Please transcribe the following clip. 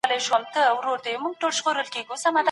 ړانده سړي د ږیري سره ډېري مڼې نه دي خوړلې.